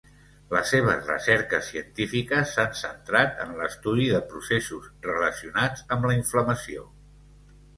Les seves recerques científiques s'han centrat en l'estudi de processos relacionats amb la inflamació.